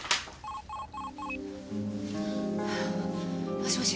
もしもし？